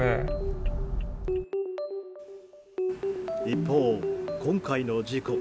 一方、今回の事故。